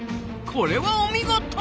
これはお見事！